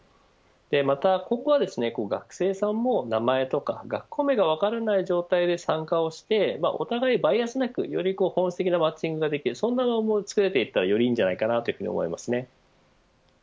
また、今後は学生さんも名前とか学校名が分からない状態で参加をしてお互いバイアスなくより保守的なマッチングができるそんな場をつくれていったらよりいいと思います。